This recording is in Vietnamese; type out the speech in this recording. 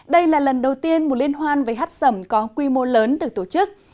đây là lần đầu tiên một liên hoan với hát sầm có quy mô lớn được tổ chức